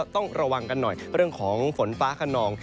ต้องระวังกันหน่อยเรื่องของฝนฟ้าขนอง